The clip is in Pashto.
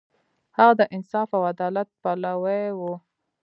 هغه د انصاف او عدالت پلوی و.